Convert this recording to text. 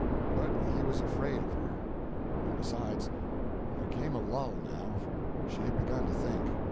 But he was afraid of her; and besides, there came a lull, now, for she had begun to think.